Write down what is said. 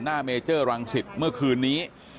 เมเจอร์รังสิตเมื่อคืนนี้